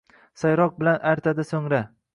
sayroq bilan artadi soʼngra